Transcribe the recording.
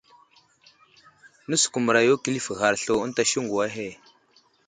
Nəsəkumərayo kəlif ghar slu ənta siŋgu ahe.